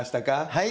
はい。